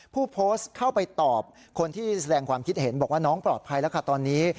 ผู้โพสต์เข้าไปตอบคนที่แสดงความคิดเห็นบอกว่าน้องปลอดภัยแล้วค่ะตอนนี้